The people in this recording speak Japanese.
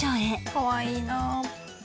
「かわいいなあ」